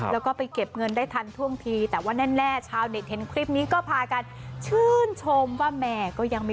แล้วก็ไปเก็บเงินได้ทันท่วงที